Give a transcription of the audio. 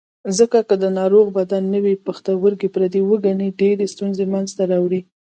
ځکه که د ناروغ بدن نوی پښتورګی پردی وګڼي ډېرې ستونزې منځ ته راوړي.